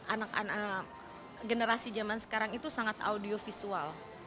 anak anak generasi zaman sekarang itu sangat audio visual